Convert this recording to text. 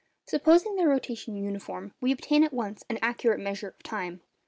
Supposing their rotation uniform, we at once obtain an accurate measure of time.